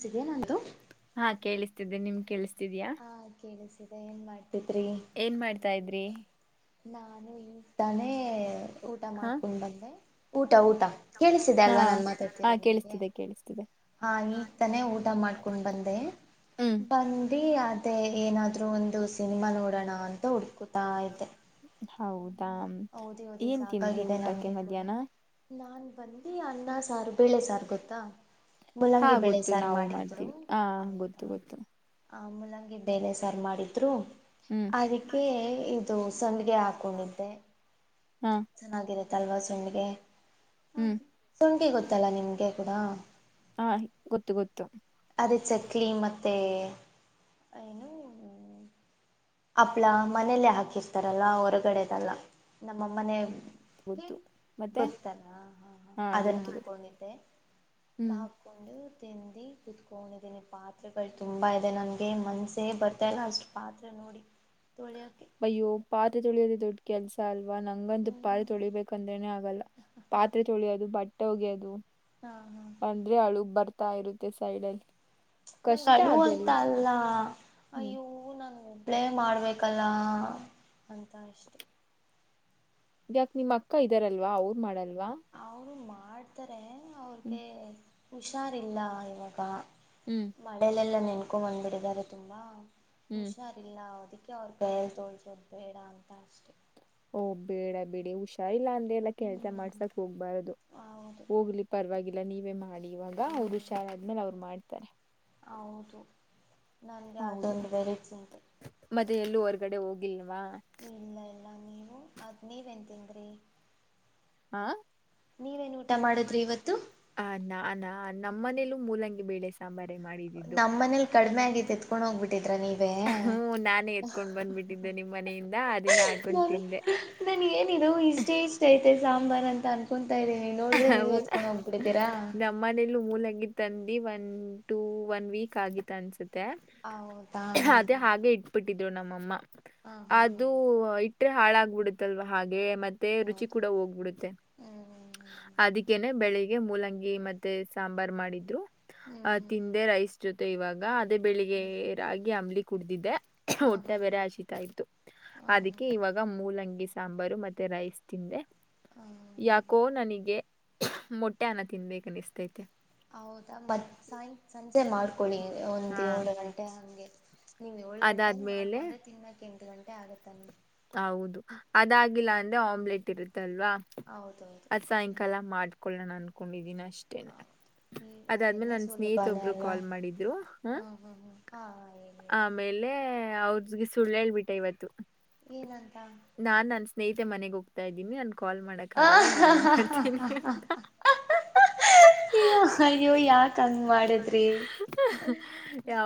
ಸಿದೆಯಾ ನಂದು ಹಾ ಕೇಳಿಸ್ತಿದ್ದೆ ನಿಮ್ಗ್ ಕೇಳಿಸ್ತ್ ಹಾ ಕೇಳ್ಸ್ತೀದೆ ಏನ್ ಮಾಡ್ ಏನ್ ಮಾಡ್ತಾ ಇದ್ರಿ ನಾನು ಈ ತಾನೇ ಊಟ ಹಾ ಮಾಡ್ಕೊಂಡ್ ಬಂದೆ ಊಟಾ ಕೇಳಿಸಿದೆ ಹಾ ಅಲ್ವಾ ನಾನು ಹಾ ಮಾತಾಡ್ತಿರೋದು ನಿಮ್ಗೆ ಕೇಳಿಸ್ತಿದೆ ಕೇಳಿಸ್ತಿದೆ ಹಿ ತಾನೆ ಊಟ ಮಾಡ್ಕೊಂಡ್ ಬಂದೆ ಹ್ಮ್ ಬಂದ ಬೀ ಅದೇ ಏನಾದ್ರೂ ಒಂದು ಸಿನಿಮಾ ನೋಡೋಣ ಅಂತ ಹುಡ್ಕೊತಾ ಇದೆ ಹೌದಾ ಓದಿ ಏನ್ ತಿಂದ್ರಿ ಸಾಕಾಗಿದೆ ಊಟಕ್ಕೆ ಮಧ್ಯಾಹ್ನ ಬಂದಿ ಅನ್ನ ಸಾರ್ ಬೇಳೆ ಸಾರ್ ಗೊತ್ತಾ ಹಾ ಮೂಲಂಗಿ ಬೆಳೆ ಗೊತ್ತು ಸಾರು ನಾವು ಮಾಡಿದ್ದರು ಮಾಡ್ತೀವಿ ಹಾ ಹೌದಾ ಗೊತ್ತು ಗೊತ್ತು ಆ ಮೂಲಂಗಿ ಬೆಳೆ ಸಾರು ಮಾಡಿದ್ರು ಹ್ಮ್ ಅದಕ್ಕೆ ಇದು ಸಂಡ್ಗೆ ಹಾಕೊಂಡಿದ್ದೆ ಹಾ ಚೆನ್ನಾಗಿರತ್ತ ಅಲ್ವಾ ಸಂಡ್ಗೆ ಹ್ಮ್ ಶುಂಕಿ ಗೊತ್ತಲ್ಲಾ ನಿಮ್ಗೆ ಕೂಡ ಹಾ ಗೊತ್ತು ಗೊತ್ತು ಅದೇ ಚಕ್ಲಿ ಮತ್ತೆ ಏನು ಹಪ್ಳಾ ಮನೇಲ್ಲೇ ಹಾಕಿರ್ತಾರಲ್ಲಾ ಹೊರಗಡೆದಲ್ಲ ನಮ್ಮ ಮನೆ ಹ್ಮ ಗೊತ್ತು ಮತ್ತೆ ಗೊತ್ತಲ್ಲ ಹಾ ಹಾ ಅದನ್ನ ಗೊತ್ತು ಗೊತ್ತು ಹಾಕೊಂಡಿದ್ದೆ ಹ್ಮ್ ಹಾಕೊಂಡು ತಿಂದು ಕುತ್ಕೊಂಡಿದೀನಿ ಪಾತ್ರೆಗಳು ತುಂಬಾ ಇದೆ ನನ್ಗೆ ಮನ್ಸೇ ಬರ್ತಾ ಇಲ್ಲ ಅಷ್ಟು ಪಾತ್ ನೋಡಿ ತೊಳೆಯೋಕ್ಕೆ ಅಯ್ಯೋ ಪತ್ರೆ ತೊಳಿಯೋದ ದೊಡ್ಡ ಕೆಲಸ ಅಲ್ ಲ್ವಾ ನಂಗಂದುಪ್ಪಾತ್ ಹ್ಮ್ ತೊಳಿಬೇಕಂದ್ರೇನನೆ ಆಗಲ್ಲ ಪಾತ್ರೆ ತೊಳಿಯೋದು ಬಟ್ಟೆ ಒಗೆಯೋದು ಹಾ ಹಾ ಅಂದ್ರೆ ಅಳು ಬರ್ತಾ ಇರುತ್ತೆ ಸೈಡಲ್ಲಿ ನಂಗೆ ಅಳು ಅಂತ ಅಲ್ಲ ಹ್ಮ್ ಅಯ್ಯವು ನಾನ ಒಬ್ಲೆ ಮಾಡಬೇಕಲ್ಲ ಅಂತ ಅಷ್ಟೆ ಯಾಕ ನಿಮ್ ಅಕ್ಕ ಇದಾರಲ್ವಾ ಅವರು ಮಾಡಲ್ಲ ಅವರು ಮಾಡ್ತಾರೆ ಹ್ಮ್ ಅವ್ರಿಗೆ ಹುಷಾರಿಲ್ಲ ಇವಾಗ ಹ್ಮ್ ಮಳೆಯಲೆಲ್ಲ ನೆನ್ಕೊ ಬಂದ್ಬಿಡಿದ್ದಾರೆ ತುಂಬಾ ಹ್ಮ್ ಹುಷಾರಿಲ್ಲ ಅವದಿಕ್ಕೆ ಅವರಕೈಯಲ್ ತೋಳ್ಸೋದು ಬೇಡ ಅಂತ ಅಷ್ಟೆ ಓ ಬೇಡ ಬಿಡಿ ಹುಷರಿಲ್ಲ ಲ್ಲ ಕೆಲ್ಸ ಹ್ಮ್ ಮಾಡ್ಸಕ್ ಹೋಗ್ಬಾರದು ಹೌದು ಹೋಗ್ಲಿ ಪರವಾಗಿಲ್ಲ ನೀವೇ ಮಾಡಿ ಇವಾಗ ಅವ್ರು ಹ್ಮ್ ಹುಷಾರಾದ್ಮೇಲೆ ಅವ್ರು ಮಾಡ್ತಾರೆ ಹೌದು ನನಗೆ ಹೌದು ಅದೊಂದು ಬರೆ ಚಿಂತೆ ಮತ್ತೆ ಎಲ್ಲೂ ಹೊರಗಡೆ ಹೋಗಿಲ್ಲ ಇಲ್ಲ ಇಲ್ಲ ನೀವು ಅದ್ ನೀವ ಎನ್ ತಿಂದ್ರಿ ಹಾ ನೀವೇನ್ ಊಟ ಮಾಡುದ್ರಿ ಇವತ್ತು ನಮ್ಮ ಮನೇಲೂ ಮೂಲಂಗಿ ಬೇಳೆ ಸಾಂಬಾರ ನಮ್ಮ ಮನೇಲಿ ಕಡಿಮೆ ಆಗಿ ಎತ್ಕೊಂಡ್ ಹೋಗ್ಬಿಟ್ಟಿದ್ರ ನೀ ಹ್ಮ ನಾನೇ ಎತ್ಕೊಂಡ್ ಬಂದ್ಬಿಟ್ಟಿದ್ದೆ ನಿಮ್ ಮನೆಯಿಂದ ಅದನ್ನೇ ಹಾಕೊಂಡ್ ತಿಂದೆ [unintelligible] ನಾವು ಇಷ್ಟೇ ಇಷ್ಟ ಐತೆ ಸಾಂಬಾರ್ ಅಂತ ಅನ್ಕೊತಾ ಇರಿ ಹೌದಾ ನಮ್ಮನಲೂ ಮೂಲಂಗಿ ತಂದಿ ಒನ್ ಟು ಒನ್ ವೀಕ್ ಆಗಿತ್ತ ಅನ್ಸತ್ತ ಹೌದಾ ಹಾ ಅದೇ ಹಾಗೆ ಇಟ್ಬಿಟ್ಟಿದ್ರು ನಮ್ಮಮ್ಮ ಹಾ ಹಾ ಹಾ ಅದು ಹಾ ಬಿಟ್ರೆ ಹಾಳಾಗಬಿಡುತ್ತಲ್ವಾ ಹಾಗೆ ಮತ್ತೆ ರುಚಿ ಹೌದು ಕೂಡ ಹೋಗ್ಬಿಡುತ್ತೆ ಹ್ಮ್ ಅದಕ್ಕೇನೆ ಬೆಳಿಗ್ಗೆ ಮೂಲಂಗಿ ಮೆತ್ತೆ ಸಾಂಬಾರ್ ಮಾಡಿದ್ರು ಹ್ಮ್ ತಿಂದೆ ರೈಸ್ ಜೊತೆ ಇವಾಗ ಅದೇ ಬೆಳಿಗ್ಗೆ ರಾಗಿ ಅಂಬಲಿ ಕುಡ್ದಿದ್ದಿದೆ ಹ್ಮ್ ಊಟ್ಟ ಬೆರೆ ಹ್ಮ್ ಹಸಿತಾ ಇತತ್ತು ಹ್ಮ್ ಅದಕ್ಕೆ ಇವಾಗ ಮೂಲಂಗಿಸ ಸಾಂಬಾರು ಮತ್ತೆ ರೈಸ್ ತಿಂದೆ ಯಾಕೋ ನನಗೆ ಮೊಟ್ಟೆ ಅನ್ನ ತಿನ್ಬೇಕನ್ನಿಸ್ತೈತೆ ಹೌದಾ ಮತ್ ಸಾಯ ಸಂಜೆ ಮಾಡ್ಕೊಳ್ಳಿ ಹಾ ಒಂದ್ ಏಳು ಗಂಟೆ ಹಂಗೆ ನೀವು ಏಳು ಗಂಟೆೆಗೆ ಅದಾದ್ಮೇಲೆ ಮಾಡ್ಕೊಂಡ್ರೆ ತಿನ್ನಾಕ ಎಂಟು ಗಂಟೆ ಆಗತ್ತಾನ ಹೌದು ಅದಾಗಿಲ್ಲ ಅಂದ್ರೆ ಆಮ್ಲೆಟ್ ಇರುತ್ತೆ ಲ್ವಾ ಹೌದೌದು ಆ ಹ್ಮ್ ಸಾಯಂಕಾಲ ಮಾಡ್ಕೊಳ್ಳಣ ಅನ್ಕೊಂಡಿದೀನಿ ಅಷ್ಟೇನೆ ಈ ಅದಾದ್ಮೇಲೆ ಅದೆಲ್ಲ ನನ್ನ ಸ್ನೇಹಿತ ಸುಲಭಾನೇ ಒಬ್ರು ಅಲ್ವಾ ಕಾಲ್ ಮಾಡಿದ್ರು ಹ ಹಾ ಹಾ ಹಾ ಹಾ ಹೇಳಿ ಹೇಳಿ ಆಮೇಲೆ ಲ್ಲೇ ಅವ್ರಗೆ ಸುಳ್ಳ ಹೇಳ್ಬಿಟ್ಟ ಇವತ್ತು ನಂತ ನಾನ್ ನನ್ ಸ್ನೇಿತೆ ಮನೆಗ್ ಹೋಗ್ತಾ ಇದ್ದೀನಿ ನನ್ ಕಾಲ್ ಮಾಡಕ ಆ ಆಗಲ್ಲ ನಾಳೆ ಮಾಡ್ತೀನಿ ಅಂತ ಈ ಅಯ್ಯೋ ಯಾಕ ಹಂಗ ಮಾಡಿದ್ರಿ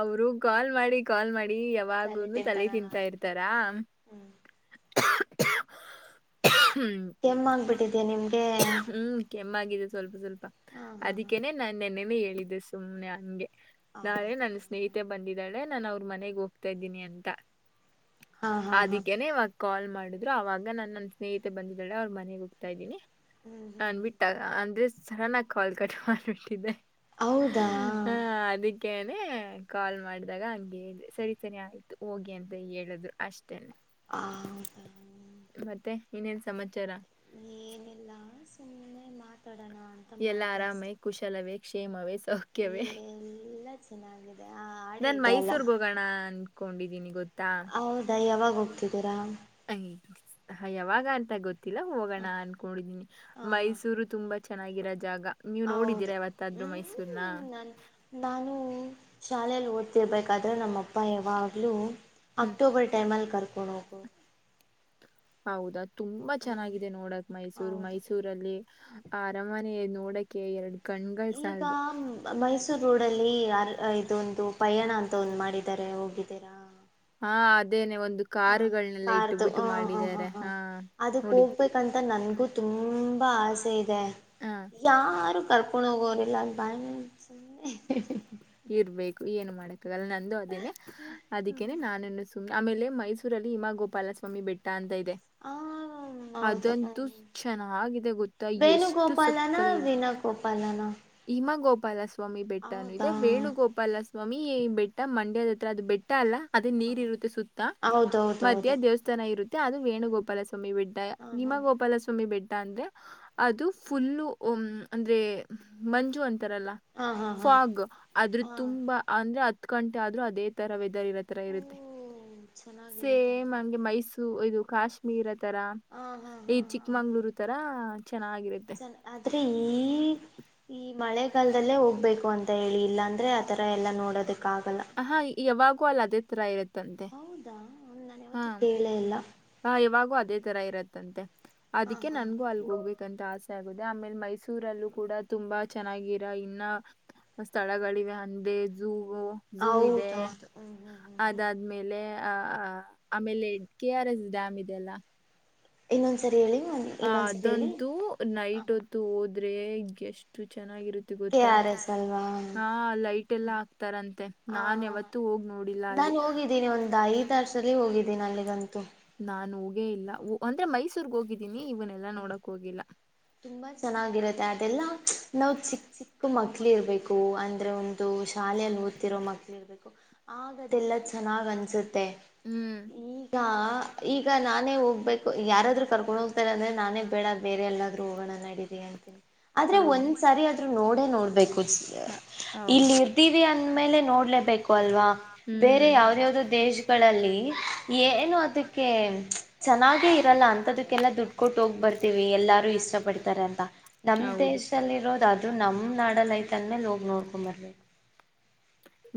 ಅವರು ಕಾಲ್ ಮಾಡಿ ಕಾಲ್ ಮಾಡಿ ಯಾವಾಗನು ತಲೆ ತಿನ್ಂತಾ ಇರ್ತಾರಾ ಹ್ಮ್ ಹ್ಮ್ ಕೆಮ್ಮಗ್ಬಿಟ್ಟಿದ್ಯಾ ನಿಮ್ಗೆ ನಮ್ಮಾಗಿದೆ ಸ್ವಲ್ಪ ಸ್ವಲ್ಪ ಹಾ ಹಾ ಹಾ ಅದಕ್ಕೇನೆ ನಾನು ನೆನ್ನೆ ಹೇಳಿದ್ದೆ ಸುಮ್ನೆ ನನ್ಗೆ ನಾಳೆ ನನ್ ಸ್ನೇಹಿತೆ ಬಂದಿದ್ದಾಳೆ ನಾನು ಅವ್ರ ಮನೆಗ್ ಹೋಗ್ತಾ ಇದ್ದೀನಿ ಅಂತ ಹೌದಾ ಹಾ ಹಾ ಹಾ ಅದಕ್ಕೆನೆವಾಗ ಕಾಲ್ ಮಾಡಿದ್ರು ಆವಾಗ ನಾನನ್ ನನ್ನ ಸ್ನೇಹಿತೆ ಬಂದಿದ್ದಾಳೆ ಅವ್ರ ಮನೆಗೆ ಹೋಗ್ತಾ ಇದ್ದೀನಿ ಹ್ಮ್ ಹ್ಮ್ ಅನ್ಬಿಟ್ಟಾಗ ಅಂದ್ರೆ ಸಣನಾಗಿ ಕಾಲ್ ಕಟ್ ಮಾಡ್ಬಿಟ್ಟಿದೆೆ ಹೌದಾ ಅಕ ಕಾಲ್ ಮಾಡಿದಾಗ ಹಂಗೆ ಹೇಳಿ ಸರಿ ಸರಿ ಆಯ್ತು ಹೋಗಿ ಅಂತ ಹೇಳಿದ್ರು ಅಷ್ಟೇನೆ ಹೌದಾ ಮತ್ತೆ ಇನ್ನೇನ್ ಸಮಾಚಾರ ಏನಿಲ್ಲ ಸುಮ್ಮ್ನೆ ಮಾತಾಡ್ ಎಲ್ಲ ಆರಾಮೇ ಕುಶಲವೇ ಕ್ಷೇಮವೇ ಕೆ ಎಲ್ಲ ಚೆನ್ನಾಗಿದೆ ಆ ಹಾಡೇ ನಾನ ಇದೆಯಲ್ಲ ಮೈಸೂರ್ ಹೋಗೋಣ ಅನ್ಕೊಂಡಿದೀನಿ ಹೌದಾ ಯಾವಾಗ ಹೋಗ್ತಿದ್ದೀರಾ ಹದು ಹ ಯಾವಾಗ ಅಂತ ಗೊತ್ತ ತ್ತಲ್ಲ ಹ ಹೋಗೋಣ ಅನ್ಕೊಂಡಿದೀನಿ ಹ ಮೈಸೂರು ತುಂಬಾ ಚೆನ್ನಾಗಿರೋ ಜಾಗ ನೀವ್ ಹೌದು ನೋಡಿದೀರಾ ಯವತ್ತಾದ್ರೂ ಮೈಸೂರ್ನ ಹ್ಮ್ ನಾನು ನಾನು ಶಾಲೆಯಲ್ಲಿ ಓದ್ತಿರ್ಬೇಕಾದ್ರೆ ನಮ್ಮ ಅಪ್ಪ ಯಾವಾಗ್ಲೂ [unintelligible] ಹ್ಮ್ ಅಕ್ಟೂಬರ್ ಟೈಮಲ್ ಕರ್ಕಣೋಗ ಹೌದಾ ತುಂಬಾ ಚೆನ್ನಾಗಿದೆ ನೋಡಕ್ ಮೈಸೂರು ಹೌದು ಮೈಸೂರಲ್ಲಿ ಅರಾಮನೆ ನೋಡಕೆ ಎರಡು ಕಣ್ಗಳ್ ಈಗ ಸಾಲದು ಮೈಸೂರ್ ರೋಡ್ಲ್ಲಿ ಇದೊಂದು ಪಯಣ ಅಂತ ಒಂದು್ ಮಾಡಿದ ಾರೆ ಹೋಗಿದ್ದೀರಾ ಹಾ ಅದೇನೆ ಒಂದು ಹ ಕಾರುಗಳನೆೆಲ್ಲ ಇಟ್ಟು ಬಿಿಟ್ಟು ಮಾಡಿದ್ದಾರೆ ಹ ಅದಕ್ಕೆ ನೋಡಿ ಹೋಗ್ಬೇಕಂತ ನನ್ಗೂ ತುಂಬಾ ಆಸೆ ಇದೆ ಹಾ ಯಾರು ಕರ್ಕೊಂಡ ಹೋಗೋ ಎಲ್ಲ ಬ ಇರ್ಬೇಕು ಏನು ಮಾಡಕ್ಕಾಗಲ್ಲ ನಂದು ಅದೇನೆ ಅದಕ್ಕೇನೆ ನಾನನ್ನು ು ಆಮೇಲೆ ಮೈಸೂರಲ್ಲಿ ಹಮಾ ಗೋಪಾಲಸ್ವಾಮಿ ಬೆಟ್ಟ ಅಂತ ಇದೆ ಹ ಹ್ಮ ಹೌದು ಹ್ಮ ಅದಂತೂ ಚೆನ್ನಾಗಿದೆ ಗೊತ್ತಾ ಎಷ್ಟು ವೇಣುಗೋಪಾಲನ ವೀಣಾ ಗೋಪಾಲನಾ ಹಿಮ ಗೋಪಾಲಸ್ವಾಮಿ ಬೆಟ್ಟನು ಇ ಮತ್ತೆ ವೇಣುಗೋಪಾಲ ಸ್ವಾಮಿ ಈ ಬೆಟ್ಟ ಮಂಡ್ಯದ ಹತ್ರ ಅದು ಬೆಟ್ಟ ಅಲ್ಲ ಅದೇ ನೀರ್ ಇರುತ್ತೆ ಸುತ್ತ ಮಧ್ಯ ಹೌದೌದೌದು ದೇವಸ್ಥಾನ ಇರುತ್ತೆ ಅದು ವೇಣುಗೋಪಾಲ ಸ್ವಾಮಿ ಬಡ್ಡ ಹಾ ನಿಮ ಹಾ ಗೋಪಾಲಸ್ವಾಮಿ ಬಡ್ಡ ಅಂದ್ರೆ ಅದು ಫುಲ್ಲ ಅಂದ್ರೆ ಮಂಜು ಅಂತ ಹಾ ಹಾ ಹಾ ಫಾಗ್ ಆದ್ರ ಹಾ ತುಂಬಾ ಅಂದ್ರೆ ಹತ್ ಗಂಟೆ ಆದ್ರೂ ಅದೇ ತರ ರತ್ರರ ಓ ಇರುತ್ತೆ ಚೆನ್ನಾಗಿರುತ್ತೆ ಸೇಮ್ ಹಂಗೆ ಮೈಸೂರ್ ಇದು ಕಾಶ್ಮೀರ ತರ ಹಾ ಹಾ ಈ್ ಹಾ ಹಾ ಚಿಕ್ಕಮಂಗ್ಳೂರು ತರಾ ಚೆನ್ನಾಗಿರುತ್ತೆ ಚೆನ್ನ ಆದ್ರೆ ಈ ಈ ಮಳೆಗಾಲದಲ್ಲೇ ಹೋಗ್ಬೇಕು ಅಂತ ಹೇಳಿ ಇಲ್ಲ ಅಂದ್ರೆ ಆತರ ಎಲ್ಲಾ ನೋಡೋದಕ್ಕೆ ಹಾ ಯಾವಾಗೂ ಅಲ್ಲ ಅದೇ ತರ ಇರುತ್ತಂತೆ ಹ್ ನಾನ ಯಾವತ್ತು ಕೇಳೇ ಇಲ್ಲ ಹ ಇವಾಗೂ ಅದೇ ತರ ಇರತ್ತಂತೆ ಹಾ ಅದಕ್ಕೆ ಹಾ ನನ್ಗೂ ಅಲ್ ಹೋಗ್ಬೇಕು ಂತ ಆಸೆ ಆಗುದ ಆಮೇಲೆ ಮೈಸೂರಲ್ಲೂ ಕೂಡ ತುಂಬಾ ಚೆನ್ನಾಗಿರ ಇನ್ನ ಸ್ಥಳಗಳಿವೆ ಹಂದೆ ಝೂವು ಝೂ ಇದೆ ಹೌದೌದು ಹ್ಮ್ ಹ್ಮ್ ಹ್ಮ್ ಹ್ಮ್ ಅದಾದ್ಮೇಲೆ ಆ ಆಮೇಲೆ ಕೆ ಆರ್ ಎಸ್ ಡ್ಯಾಮ್ ಇದೆಲ್ಲ ಇನ್ನೊಂದ್ಸರಿ ಹೇಳಿ ಹ ಇನ್ನೊಂದ್ಸರಿ ಹೇಳಿ ಅದಂತೂ ನೈಟ್ ಹ ಹೊತ್ತು ಹೋದ್ರೆ ಎಷ್ಟು ಚಂದ ಚೆಾಗಿತ್ತ ಕೆ ಗೊತ್ತಾ ಆರ್ ಎಸ್ ಅಲ್ವಾ ಹ ಲೈಟ್ ಎಲ್ಲ ಹಕ್ತಾರಂತೆ ನಾನ್ ಯಾವತ್ತು ಹೋಗ ನೋ ನಾನನ್ ಹೋಗಿದ್ದೀನಿ ಒಂದ್ ಐದರ್ಸಲ್ಲಿ ಹೋಗಿದ್ದೀನಿ ಅಲ್ಲಿಗಂತೂ ನಾು ಹೋಗೇ ಇಲ್ಲ ಅಂದ್ರೆ ಮೈಸೂರ್ಗ್ ಹೋಗಿದ್ದೀನಿ ಇವನ್ನೆಲ್ಲಾ ನೋಡಕ್ ಹೋಗಿಲ್ಲ ತುಂಬಾ ಚೆನ್ನಾಗಿರತ್ತೆ ಅದೆಲ್ಲಾ ನಾವ್ ಚಿಕ್ಕ ಚಿಕ್ಕ ಮಕ್ಳ ಇರ್ಬೇಕು ಅಂದ್ರೆ ಒಂದು ಶಾಲೆಯಲ್ಲಿ ಓದ್ತಿರೋ ಮಕ್ಕಳಿ ಇರಬೇಕು ಆಗ ಅದೆಲ್ಲ ಚೆನ್ನಾಗಿ್ ಅನ್ಸುತ್ತೆ ಹ್ಮ್ ಈಗ ಈಗ ನಾನೇ ಹೋಗ್ಬೇಕು ಯಾರಾದ್ೂ ಕರ್ಕೊಂಡು ಹೋಗ್ತಾರೆ ಅಂದ್ರೆ ನಾನೇ ಬೇಡ ಬೇರೆ ಎಲ್ಲ ಹೋಗೋಣ ನಡಿದೆ ಅಂತನಿ ಆದ್ರೆ ಹೌದು ಒಂದ್ ಸಾರಿ ಆದ್ರೂ ನೋಡೇ ನೋಡ್ಬೇಕು ಹ- ಹೌದು ಇಲ್ಲಿರ್ದೀವಿ ಅಂದ್ಮೇಲೆ ನೋಡ್ಲೇಬೇಕು ಅಲ್ವಾ ಬೇರೆ ಹ್ಮ್ ಯಾವ್ದ ಯಾವ್ದೋ ದೇಶಗಳಲ್ಲಿ ಏನು ಅದಕ್ಕೆ ಚೆನ್ನಾಗೆ ಇರಲ್ಲ ಅಂತದಕ್ಕೆಲ್ಲ ದುಡ್ಡು ಕೊಟ್ಟ ಹೋಗ್ ಬರ್ತೀವಿ ಎಲ್ಲಾರೂ ಇಷ್ಟಪಟ್ಟ ತ ಅಂತ ನಮ್ ಹೌದು ದೇಶದಲ್ಲಿ ಇರೋದು ಅದು ನಮ್ ನಾಡಲ್ಲಿ ಐತ ಲೋಗ ನೋಡ್ಕ ಮರ್ಬೇಕ [inaudible]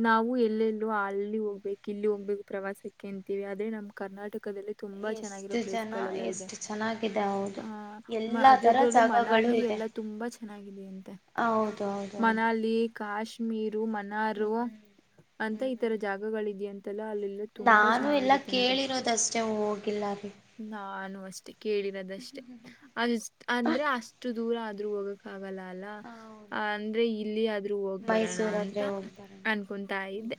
ನಾವು ಎಲ್ಲೆಲ್ಲೋ ಅಲ್ಲಿ ಹೋಗ್ಬೇಕು ಇಲ್ಲಿ ಹೋಗ್ಬೇಕು ಪ್ರವಾಸಕ್ಕೆ ಅಂತೀವಿ ಅದೇ ನಮ್ ಕರ್ನಾಟಕ ಪಕ್ಕದಲ್ಲಿ ತುಂಬಾ ಚೆನ್ನಾಗಿರೋ ಎಷ್ಟು ಜನ ಪ್ಲೇಸ್ಗಳೆಲ್ಲ ಇದೆ ಎಷ್ಟು ಚೆನ್ನಾಗಿದೆ ಹೌದು ಆ ಎಲ್ಲಾ ತರ ಅದ ಮನ ಜಾಗಗಳು ಅಲ್ಲಿ ಎಲ್ಲಾ ತುಂಬಾ ಚೆನ್ನಿದ ಅಂತೆ ಹ ಹೌದ ಹೌದು ಹೌದು ಮನಲಿ ಕಾಶ್ಮೀರು ಮನಾರು ಹ್ಮ್ ಅಂತ ಈತರ ಹ್ಮ್ ಜಾಗಗಳಿದೆಯಂತೆಲ್ಲ ಅಲ್ಲೆಲ್ಲ ತುಂಬಾ ನಾನು ಎಲ್ಲ ಚೆನ್ನಾಗಿರುತ್ತಂತೆ ಕೇಳಿರೋದಷ್ಟೇ ಹೋಗಿಲ್ಲ ರೀ ನಾನು ಅಷ್ಟೆ ಕೇಳಿರೋದಷ್ಟೇ ಅ ಅಂದ್ರೆ ಅಷ್ಟು ದೂರ ಆದ್ರೂ ಹೋಗಕ್ಕ ಆಗಲ್ಲ ಅಲ್ಲ ಹೌದು ಅಂದ್ರೆ ಇಲ್ಲಿ ಆದ್ರೂ ಹೋಗ್ ಬರೋಣ ಅಂತ ಮೈಸೂರಾದ್ರೆ ಹೋಗ್ಬರೋಣ ಅನ್ಕೊತಾ ಇದ್ದೆ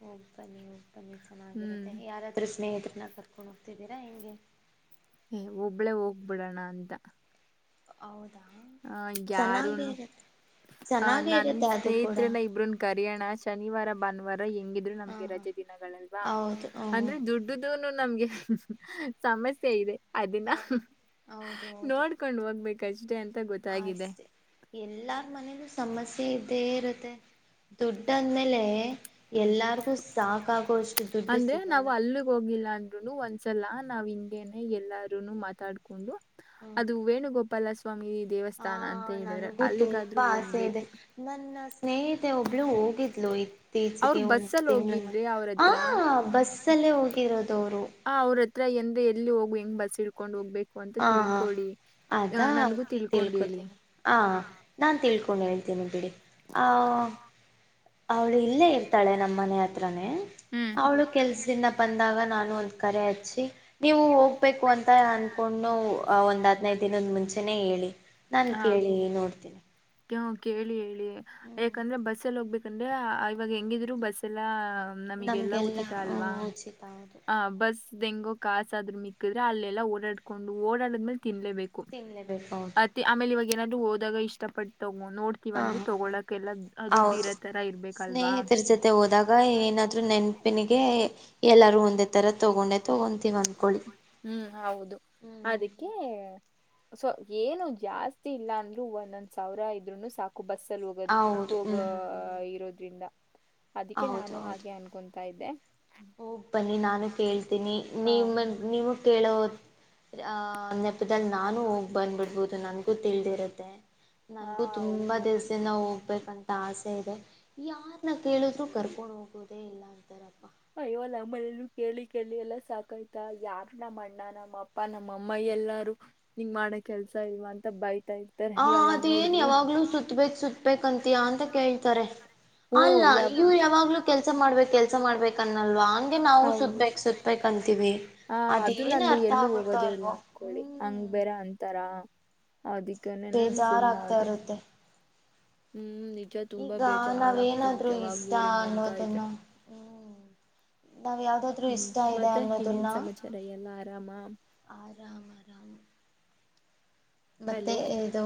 ಹೋಗ್ ಬನ್ನಿ ಹೋಗ್ಬನ್ನಿ ಹ್ಮ್ ಚೆನ್ನಾಗಿರುತ್ತೆ ಯಾರಾದ್ರೂ ಸ್ನೇಹತ್ರೆ ನ್ನ ಕರ್ಕೊಂಡು ಹೋಗ್ತಿದ್ದೀರಾ ಹೆಿಂಗೆ ಏ್ ಒಬ್ಬಳೇ ಹೋಗ್ಬಿಡೋಣ ಅಂತ ಹೌದು ಹಾ ಯಾರುನು ಆ ಚೆನ್ನಾಗೇ ನನ್ ಇರುತ್ತೆ ಅದು ಕೂಡ ಸ್ನೇಹಿತರನ ಇಬ್್ರನ್ ಕರ್ಯೋಣ ಶನಿವಾರ ಭಾನುವಾರ ಹೆಂಗಿದ್ರು ಹಾ ನಮ್ಗೆ ರಜೆ ಹಾ ದಿನಲ್ವಾ ಹೌದು ಹ್ಮ್ ಅಂದ್ರೆ ಹ್ಮ್ ದುಡ್ಡ ನಮ್ಗೆ ಸಮಸ್ಯೆ ಇದೆ ಅದನ್ನ ಹೌದು ನೋಡ್ಕೊಂಡ್ ಹೋಗ್ಬೇಕು ಪ್ರೆಸಿಡೆಂಟ್ ಅಷ್ಟೆ ಎಲ್ಲಾರ ಮನೇಲ ಸಮಸ್ಯೆ ಇದ್ದೇ ಇರುತ್ತೆ ದುಡ್ಡ ಅ್ಮೇಲೆ ಹ್ಮ್ ಎಲ್ಲಾರ್ಗು ಸಾಕಾಗೋಷ್ಟು ದುಡ್ಡು ಸಿಗಲ್ಲ [inaudible] ಲ್ಲಾ ನಾವ್ ಹಿಂಗೇನೆ ಎಲ್ಲಾರನು ಮಾತಾಡ್ಕೊಂಡು ಹ್ಮ್ ಅದು ವೇಣುಗೋಪಾಲ ಸ್ವಾಮಿ ಆ ದೇವಸ್ಥಾನ ಅಂತ ಹೇಳಿದ್ರೆ ನನಗೂ ಅಲ್ಲಿಗಾದ್ರೂ ಹೋಗ್ಬೇಕು ನ ಒಬ್ಲು ಹೋಗಿದ್ದಲುಯ ಇತ್ತೀಚೆಗೆ ಅವ್ರು ಒಂದು ಬಸ್ಸಲ್ಲಿ ತಿಂಗಳ ಮ ಹೋಗಿದ್ರೆ ಆ ಅವ್ರತ್ರ ಬಸ್ಸಲ್ಲೇ ಹೋಗಿರೋದುವರು ಆ ಅವ್ರ ಹತ್ರ ಎಂದ ಎಲ್ಲಿ ಹೋಗ್ ಹೆಂಗ್ ಬಸ್ ಇಳ್ಕೊಂಡ್ ಹೋಗ್ಬೇಕು ಅಂತ ತಿಳ್ಕೊಿ ಅದಾಕೆ ತಿಳ್ಕೋತೀನಿ ಹ ನಾನ್ ತಿಳ್ಕೊಂಡ ಹೇಳ್ತೇನೆಿ ಬಿಡಿ ಆ ಅವಳು ಇಲ್ಲೇ ಇರ್ತಾಳೆ ನಮ್ಮ ಮನೆ ಹತ್ರನೇ ಅವಳು ಕೆಲ್ಸಿನ ಬಂದಾಗ ನಾನು ಕರೆ ಹಚ್ಚಿ ನೀವು ಹೋಗ್ಬೇಕು ಅಂತ ಕಕೊಂಡು ಒಂದ್ ಹದ್ನೈದ್ ದಿನದ ಮುಂಚೆನೆೇ ಹೇಳಿ ನಾನ್ ಕೇಳಿ ನೋಡ್ತೇನಿ ಕೆ ಕೇಳಿ ಹೇಳಿ ಯಾಕಂದ್ರೆ ಬಸ್ ಎಲ್ಲಿ ಹೋಗ್ಬೇಕಂದ್ರೆ ಇವಾಗ ಹೆಂಗಿದ್ರು ಬಸ್ ಎಲ್ಲಾ ನಮಲ್ಲ ನಮಗೆಲ್ಲ ಉಚಿತ ಅವಾ ಉಚಿತ ಹೌದು ಬ ಕಾಸಾದ್ರು ಮಿಕ್ಕಿದ್ರೆ ಅಲ್ಲೆಲ್ಲಾ ಓಡಾಡ್ಕೊಂಡು ಓಡಾಡದ್ಮೇಲೆ ತಿನ್ಲೇಬೇಕು ತಿನ್ನಲೇಬೇಕು ಹೌದು ಮತ್ತೆ ಆಮೇಲೆ ಇವಾಗ ಏನಾದ್ಹೋದಾಗ ಇಷ್ಟಪಟ್ಟ ಹಾಂ ನೋಡ್ತವಂದ್ರರು ಹಾಂ ಹಾಂ ಹೌದು ತಗೋಳಕಲ್ಲದುಡ್ಡರ ತರ ಇರ್ಬೇಕಲ್ವಾ ಸ್ನೇಹಿತರ ಜೊತೆ ಹೋದಾಗ [unintelligible] ನೆನಪಿನಿಗೆ ಎಲ್ಲರೂ ಒಂದತ್ತ ತರ ತಗೊಂಡೆ ತಗೊಂತೀವಿ ಅಂದಕೊಳ್ಳಿ ಹ್ಮ್ ಹೌದು ಹ್ಮ್ ಅದಕ್ಕೆ ಸೊ ಏನು ಜಾಸ್ತಿ ಇಲ್ಲ ಅಂದ್ರು ಒಂದೊಂದ್ ಸಾವಿರ ಇದ್ರುನು ಸಾಕ ಬಸ್ಸಲ್ಲಿ ಹೋಗೋದ ಹೌದು ಹೋಗ ಹ್ಞೂ ಇರೋದ್ರಿಂದ ಅದಕ್ಕೆ ನಾನು ಹಾಗೆ ಅನ್ಕೊತಾ ಇದ್ದೆ ಓ ಬನ್ನಿ ನಾನು ಕೇಳ್ತೀನಿ ಹ ನಿಮ್ಮ ನೀವು ಕೇಳೋ ನೆಪದಲ್ಲಿ ನಾನು ಹೋಗಿ ಬಂದ್ಬಿಡ್ಬೋದು ನನ್ಗೂ ತಿಳಿದಿರುತ್ತೆ ಹಾ ನನ್ಗು ತುಂಬಾ ಹೌದು ದಲ್ಸದ ನವು ಹೋಗ್ಬೇಕಂತ ಆಸೆ ಇದೆ ಯಾರನ್ನ ಕೇಳಿದ್ರು ಕರ್ಕೊಂಡು ಹೋಗೋದೇ ಇಲ್ಲ ಅಂತಾರಪ್ಪ ಅಯ್ಯವಲ್ಲ ಅಮ್ಮನ ಕೇಳಿ ಕೇಳಿ ಎಲ್ಲ ಸಾಕಾಯ್ತ ಯಾರು ನಮ್ಮ ಅಣ್ಣ ನಮ್ಮ ಅ ಪ್ಪಾ ನಮ್ಮ ಅಮ್ಮಿ ಎಲ್ಲಾರು ನಿಂಗ್ ಮಾಡ ಕೆಲ್ಸ ಇಲ್ವಾ ಅಂತ ಬಯ ಹ ಅದೇಏನ್ ಯಾವಾಗ್ಲೂ ಸತ್ಬೇಕೇ ಸತ್ಬೇಕೇಕ್ ಅಂತಯಾ ಅಂತ ಕೇಳ್ತಾರೆ ಓ ಅಲ್ಲ ಯಾವ ನೀವು ಯಾವಾಗ್ಲೂ ಕೆಲ್ಸ ಮಾಡ್ಬೇಕು ಕೆಲ್ಸ ಮಾಡ್ಬೇಕನ್ನಲ್ವಾ ಹಂಗೆ ನಾವು ಹೌದು ಸುತ್ಬೇಕಕ್ ಸತ್ಬೇಕ ಅಂತೀವಿ ಹ ಅದು ಅದೇನು ನಲ್ಲು ಅರ್ಥ ಎಲ್ಲೂ ಆಗುತ್ತೋ ಹೋಗೋದೇ ಇಲ್ಲ ಅಲ್ವೋ ಅಂದಕೊಳ್ಳಿ ಹಂಗ್ ಹ್ಮ್ ಬೇರೆ ಅಂತಾರ ಅದಕ್ಕೆನ್ನ ಸನ್ನ ಬೇಜಾರಾಗ್ತಾ ಅದ ಇರುತ್ತೆ ಹ್ಮ್ ನಿಜ ತುಂಬಾ ಈಗ ಬೇಜಾರ ನಾವೇನಾದ್ರೂ ಆಗ್ತರ್ತ್ಯ ಇಷ್ಟ ಅವಾಗೋರಿಂಗ ಅಂತ ಅನ್ನೋದನ್ನ ಇದ್ರೆ ಹ್ಮ್ ನಾವ್ ಯಾವ್ದಾದ್ರು ಹ್ಮ್ ಇಷ್ಟ ಇದೆ ಮತ್ತೆ ಅನ್ನೋದನ್ನ ಇನ್ನೇನ್ ಸಮಾಚಾರ ಎಲ್ಲ ಆರಾಮ ಆರಾಮ ಆರಾಮ ಮತ್ತೆ ಹಲೋ ಇದು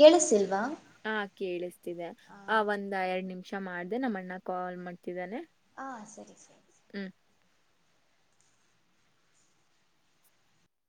ಕೇಳಸಿಲ್ವಾ ಹ ಕೇಳಿಸ್ತಿದೆ ಆ ಒಂದ್ ಎರಡ್ ನಿಮಿಷ ಮಾಡ್ದೆ ನಮ್ಮ ಅಣ್ಣ ಕಾಲ್ ಮಾಡ್ತಿದ್ದಾನೆ ಹಾ ಸರಿ ಸರಿ ಹ್ಮ್